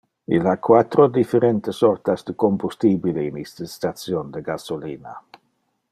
Il ha quatro differente sortas de combustibile in iste station de gasolina.